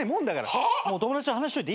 友達と話しといていいよ。